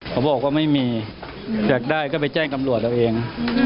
เขาบอกว่าไม่มีอยากได้ก็ไปแจ้งตำรวจเอาเอง